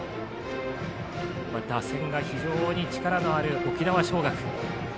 打線が非常に力のある沖縄尚学。